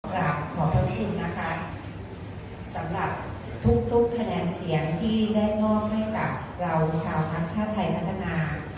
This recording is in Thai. กราบขอบพระคุณนะคะสำหรับทุกทุกคะแนนเสียงที่ได้มอบให้กับเราชาวพักชาติไทยพัฒนา